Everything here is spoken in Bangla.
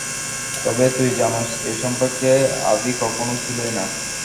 তবে, তুই জানোস, এই সম্পর্ক আভি কখনো ছিলোই না।